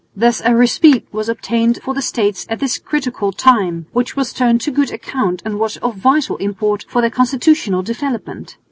Thus a respite was obtained for the States at this critical time, which was turned to good account and was of vital import for their constitutional development.